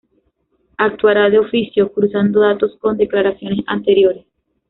Actuará de oficio, cruzando datos con declaraciones anteriores.